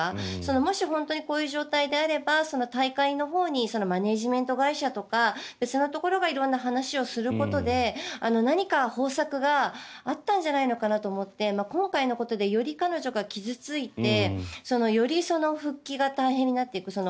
もし本当にこういう状態であれば大会のほうにマネジメント会社とか別のところが色んな話をすることで何か方策があったんじゃないのかなと思って今回のことでより彼女が傷付いてより復帰が大変になっていく。